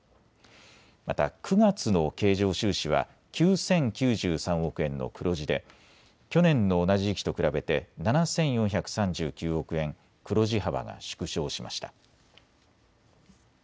また９月の経常収支は９０９３億円の黒字で去年の同じ時期と比べて７４３９億円黒字幅が縮小しました。